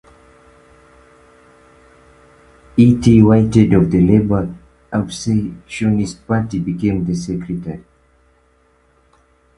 E. T. Whitehead, of the Labour Abstentionist Party, became the secretary.